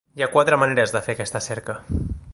Hi ha quatre maneres de fer aquesta cerca.